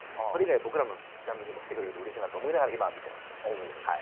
それ以外、僕らのジャンルにもきてくれるとうれしいと思いながら僕も見ています。